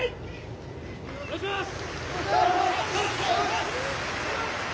お願いします！